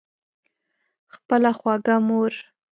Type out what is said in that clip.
خپله خوږه مور